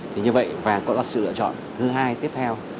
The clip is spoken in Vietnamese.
thì như vậy vàng cũng là sự lựa chọn thứ hai tiếp theo